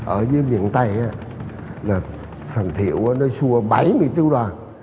ở dưới miền tây là thằng thiệu nó xua bảy mươi tiêu đoàn